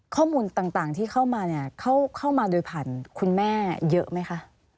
ข้อมูลต่างที่เข้ามาเนี่ยเข้ามาโดยผ่านคุณแม่เยอะไหมคะ